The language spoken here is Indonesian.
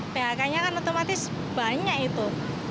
phk nya kan otomatis banyak itu